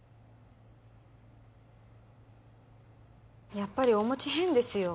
やっぱりおもち変ですよ